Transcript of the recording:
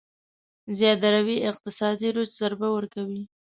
زياده روي اقتصادي رشد ضربه ورکوي.